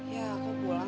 rame bukan kan